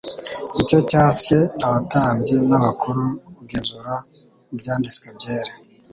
Nicyo cyatcye abatambyi n'abakuru kugenzura mu Byanditswe byera